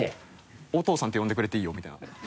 「お父さんって呼んでくれていいよ」みたいな。